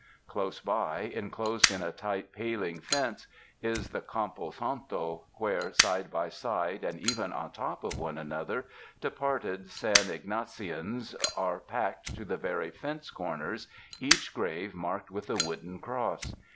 Close by, enclosed in a tight paling fence, is the campo santo, where, side by side and even on top of one another, departed San Ygnacians are packed to the very fence corners, each grave marked with a wooden cross.